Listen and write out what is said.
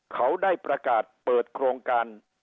เขาได้ประกาศเปิดโครงการ